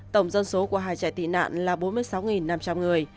tổng dân số của hai trẻ tị nạn là bốn mươi sáu năm trăm linh người